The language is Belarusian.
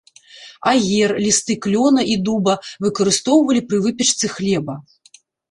Аер, лісты клёна і дуба выкарыстоўвалі пры выпечцы хлеба.